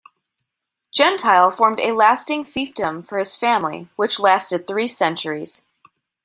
Gentile formed a lasting fiefdom for his family which lasted three centuries.